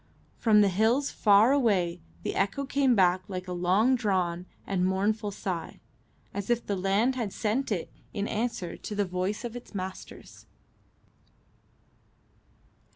From the hills far away the echo came back like a long drawn and mournful sigh, as if the land had sent it in answer to the voice of its masters.